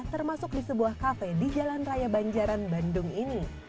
termasuk di sebuah kafe di jalan raya banjaran bandung ini